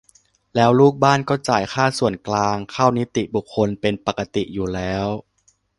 แล้วลูกบ้านก็จ่ายค่าส่วนกลางเข้านิติบุคคลเป็นปกติอยู่แล้ว